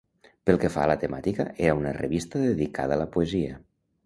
Pel que fa a la temàtica, era una revista dedicada a la poesia.